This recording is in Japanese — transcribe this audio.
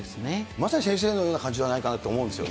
まさに先生のような感じじゃないかなと思うんですよ。